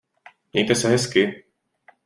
Mějte se hezky